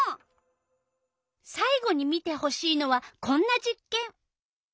さい後に見てほしいのはこんな実けん。